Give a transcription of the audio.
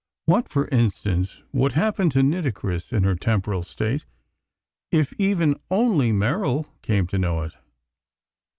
What, for instance, would happen to Nitocris in her temporal state if even only Merrill came to know it?